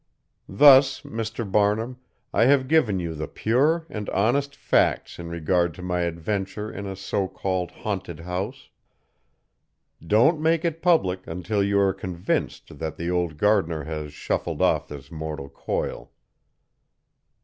Thus, Mr. Barnum, I have given you the pure and honest facts in regard to my adventure in a so called haunted house. Don't make it public until you are convinced that the old gardener has shuffled off this mortal coil."